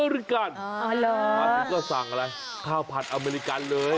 อ๋อหรืออาตี่ก็สั่งอะไรข้าวผัดอเมริกันเลย